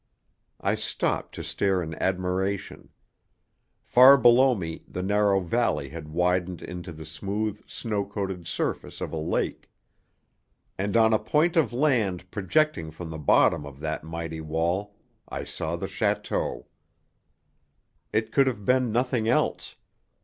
I stopped to stare in admiration. Far below me the narrow valley had widened into the smooth, snow coated surface of a lake. And on a point of land projecting from the bottom of that mighty wall I saw the château! It could have been nothing else.